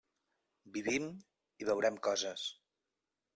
Vivim, i veurem coses.